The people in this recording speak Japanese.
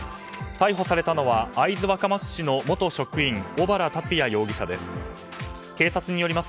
逮捕されたのは会津若松市の元職員小原龍也容疑者です。